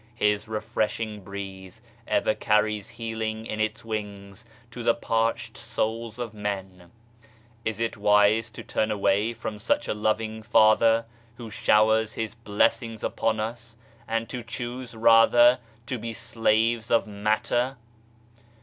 His refreshing Breeze ever carries Healing in its wings to the parched souls of men 1 Is it wise to turn away from such a loving Father, Who showers His Blessings upon us, and to choose rather to be slaves of matter